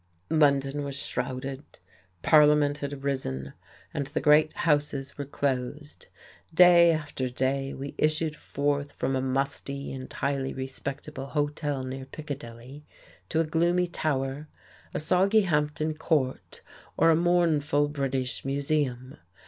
London was shrouded, parliament had risen, and the great houses were closed. Day after day we issued forth from a musty and highly respectable hotel near Piccadilly to a gloomy Tower, a soggy Hampton Court or a mournful British Museum.